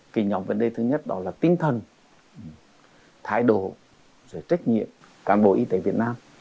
kỳ nhóm vấn đề thứ nhất đó là tinh thần thái độ trách nhiệm cản bộ y tế việt nam